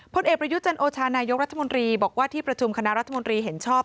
ผลเอกประยุจันโอชานายกรัฐมนตรีบอกว่าที่ประชุมคณะรัฐมนตรีเห็นชอบ